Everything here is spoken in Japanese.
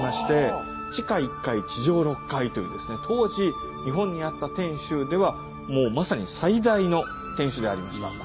当時日本にあった天主ではもうまさに最大の天守でありました。